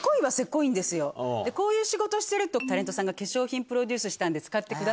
こういう仕事してるとタレントさんが化粧品プロデュースしたんで。